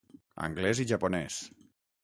Anglès i japonès.